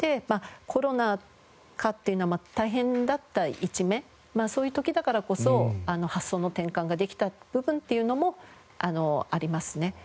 コロナ禍っていうのは大変だった一面そういう時だからこそ発想の転換ができた部分っていうのもありますね。